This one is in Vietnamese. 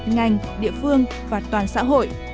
ngành địa phương và toàn xã hội